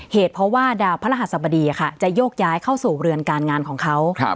เหตุเพราะว่าดาวพระรหัสบดีจะโยกย้ายเข้าสู่เรือนการงานของเขา